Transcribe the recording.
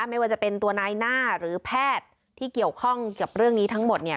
ไม่ว่าจะเป็นตัวนายหน้าหรือแพทย์ที่เกี่ยวข้องกับเรื่องนี้ทั้งหมดเนี่ย